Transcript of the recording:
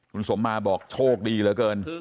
คุณสมมาบอกโชคดีเหลือเกิน